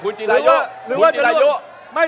คุณจิลายุเขาบอกว่ามันควรทำงานร่วมกัน